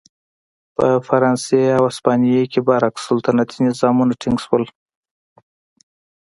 په فرانسې او هسپانیې کې برعکس سلطنتي نظامونه ټینګ شول.